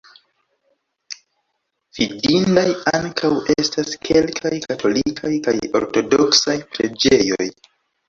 Vidindaj ankaŭ estas kelkaj katolikaj kaj ortodoksaj preĝejoj.